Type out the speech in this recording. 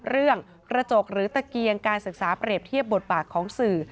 เรื่องกระจกหรือตะเกียงการศึกษาเปรียบเทียบบทบาทของสื่อ